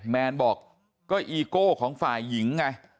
แมนบอกก็อีโก้ของฝ่ายหญิงไง